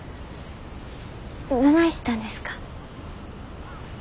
どないしたんですか？